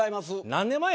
何年前や？